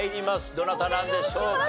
どなたなんでしょうか？